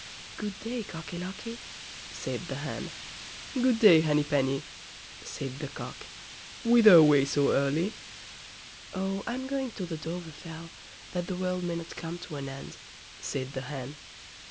"Good day, Cocky Locky", said the Hen. "Good day, Henny Penny", said the Cock, "whither away so early." "Oh, I'm going to the Dovrefell, that the world mayn't come to an end", said the Hen.